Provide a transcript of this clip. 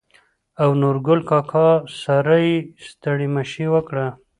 او نورګل کاکا سره يې ستړي مشې وکړه.